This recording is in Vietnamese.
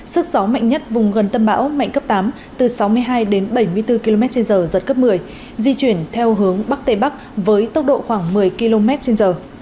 sức gió mạnh nhất vùng gần tâm bão mạnh cấp tám từ sáu mươi hai đến bảy mươi bốn km trên giờ giật cấp một mươi di chuyển theo hướng bắc tây bắc với tốc độ khoảng một mươi km trên giờ